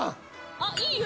あっいいよ。